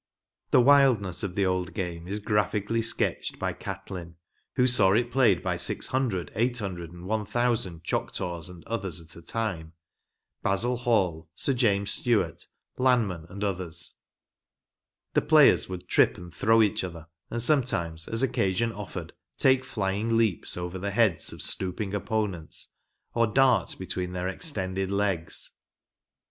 The wildness of the old game is graphically sketched by Catlin (who saw it played by 600, 800 and 1000 Choctaws and others, at a time), Basil Hall, Sir James Stewart, Lanman and others. The players would trip and throw each other, and sometimes as occasion offered, take flying leaps over the heads of stooping opponents, or dart between their extended legs.